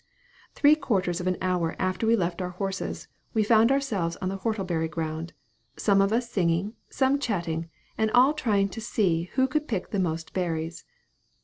Three quarters of an hour after we left our horses, we found ourselves on the whortleberry ground some of us singing, some chatting, and all trying to see who could pick the most berries.